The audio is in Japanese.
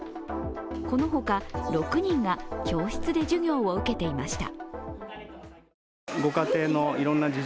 このほか６人が教室で授業を受けていました。